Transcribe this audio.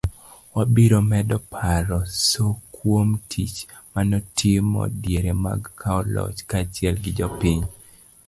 wabiro medo paro Soo kuom tich manotimo diere mag kawo loch kaachiel gi jopiny